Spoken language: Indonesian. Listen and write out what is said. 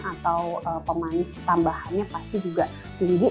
atau pemanis tambahannya pasti juga tinggi